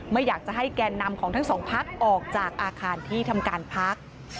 ไม่อยากจะให้แกนนำของทั้งสองพักออกจากอาคารที่ทำการพัก